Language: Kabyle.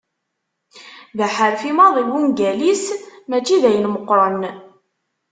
D aḥerfi maḍi wungal-is, mačči d ayen meqqren.